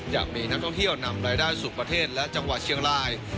อยากมีนักท่องเที่ยวนำรายได้สู่ประเทศและจังหวัดเชียงราย